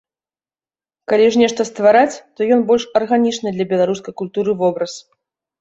Калі ж нешта ствараць, то ён больш арганічны для беларускай культуры вобраз.